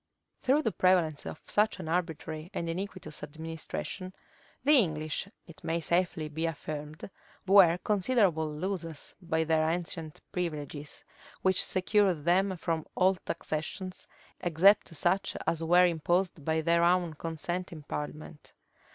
[*] Through the prevalence of such an arbitrary and iniquitous administration, the English, it may safely be affirmed, were considerable losers by their ancient privileges, which secured them from all taxations, except such as were imposed by their own consent in parliament.